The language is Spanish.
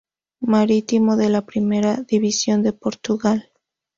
Marítimo de la primera división de Portugal.